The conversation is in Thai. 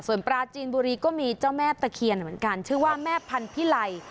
ส่วนปลาจีนบุรีก็มีเจ้าแม่ตะเคียนเหมือนกันชื่อว่าแม่พันธิไล